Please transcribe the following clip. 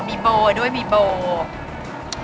มีโบด้วยมีโบ